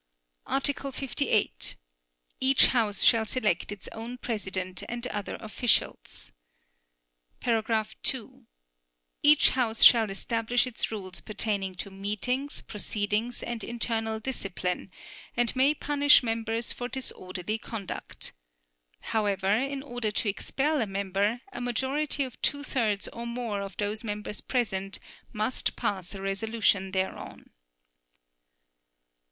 Article 58. Each house shall select its own president and other officials. (2) Each House shall establish its rules pertaining to meetings, proceedings and internal discipline, and may punish members for disorderly conduct. However, in order to expel a member, a majority of two thirds or more of those members present must pass a resolution thereon.